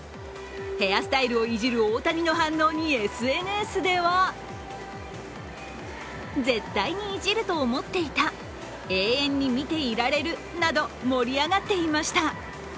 ヘアスタイルをいじる大谷の反応にＳＮＳではなど盛り上がっていました。